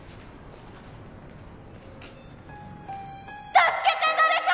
助けて誰か！